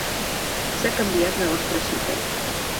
S'ha canviat la vostra cita.